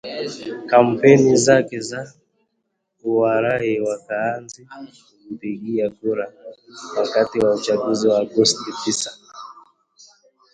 kampeni zake za kuwarai wakaazi kumpigia kura wakati wa Uchaguzi wa Agosti tisa